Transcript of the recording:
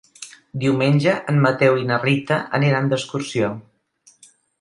Diumenge en Mateu i na Rita aniran d'excursió.